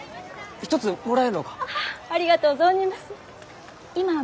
一つもらえんろうか？